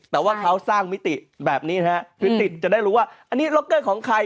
แต่ว่าเขาสร้างมิติแบบนี้นะฮะคือติดจะได้รู้ว่าอันนี้ล็อกเกอร์ของใคร